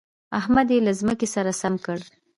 احمد يې له ځمکې سره سم کړ.